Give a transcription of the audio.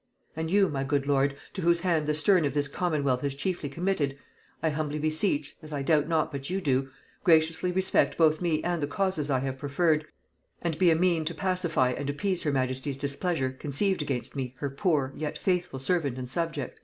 And you, my good lord, to whose hand the stern of this commonwealth is chiefly committed, I humbly beseech, (as I doubt not but you do,) graciously respect both me and the causes I have preferred, and be a mean to pacify and appease her majesty's displeasure conceived against me her poor, yet faithful, servant and subject."